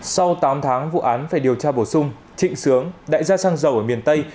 sau tám tháng vụ án phải điều tra bổ sung trịnh sướng đại gia sang giám đốc